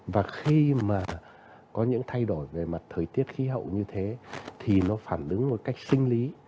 và khi mà có những thay đổi về mặt thời tiết khí hậu như thế thì nó phản ứng một cách sinh lý